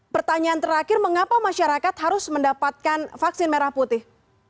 pertanyaan terakhir mengapa masyarakat harus mendapatkan vaksin merah putih